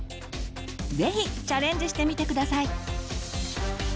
是非チャレンジしてみて下さい。